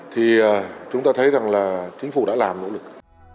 thì chúng ta thấy rằng là chính phủ đã làm nỗ lực